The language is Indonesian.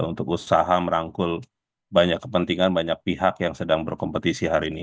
untuk usaha merangkul banyak kepentingan banyak pihak yang sedang berkompetisi hari ini